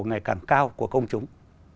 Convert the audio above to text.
ngày càng cao của công chúng